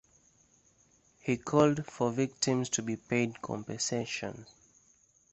He called for victims to be paid compensation.